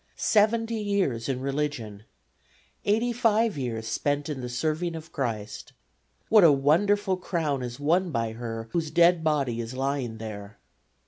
Seventy years in religion; 85 years spent in the serving of Christ. What a wonderful crown is won by her whose dead body is lying here!